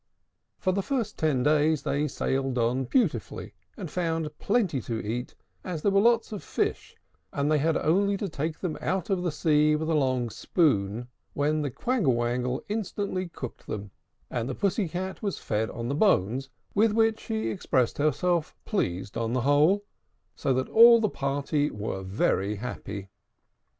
For the first ten days they sailed on beautifully, and found plenty to eat, as there were lots of fish; and they had only to take them out of the sea with a long spoon, when the Quangle Wangle instantly cooked them; and the Pussy Cat was fed with the bones, with which she expressed herself pleased, on the whole: so that all the party were very happy.